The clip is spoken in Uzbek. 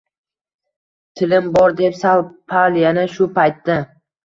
Tilim bor deb… sal-pal… yana shu paytda…